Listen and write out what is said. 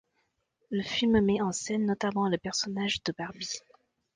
Le film met en scène notamment le personnage de Barbie.